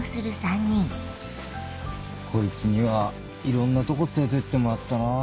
こいつにはいろんなとこ連れてってもらったな。